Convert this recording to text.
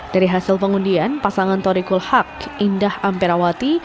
dari hasil pengundian pasangan tori kulhak indah amperawati